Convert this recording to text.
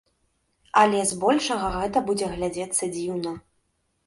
Але збольшага гэта будзе глядзецца дзіўна.